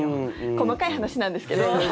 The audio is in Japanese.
細かい話なんですけど。